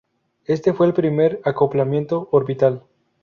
Este fue el primer acoplamiento orbital.